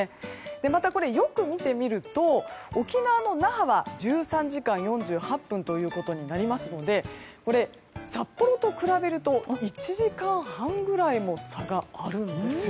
また、よく見てみると沖縄の那覇は１３時間４８分ということになりますので札幌と比べると１時間半ぐらいも差があるんですよね。